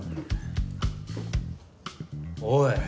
おい。